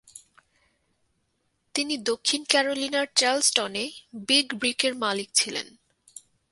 তিনি দক্ষিণ ক্যারোলিনার চার্লসটনে "big brick" এর মালিক ছিলেন।